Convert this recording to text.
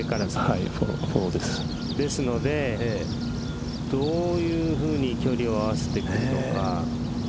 ですので、どういうふうに距離を合わせてくるのか。